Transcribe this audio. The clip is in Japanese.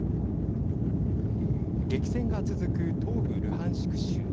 激戦が続く東部ルハンシク州。